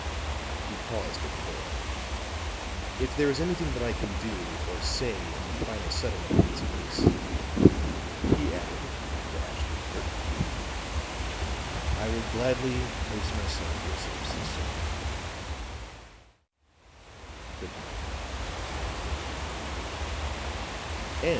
He paused at the door. "If there is anything that I can do, or say in the final settlement of this case," he added, to Ashton Kirk, "I will gladly place myself at your services, sir. Good bye."